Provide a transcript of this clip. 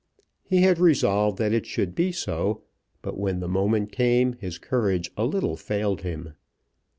He had resolved that it should be so, but when the moment came his courage a little failed him.